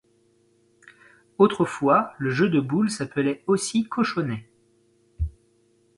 Autrefois le jeu de boules s’appelait aussi cochonnet.